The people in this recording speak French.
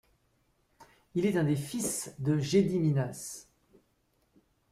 Il est un des fils de Gediminas.